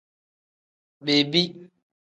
Bebi.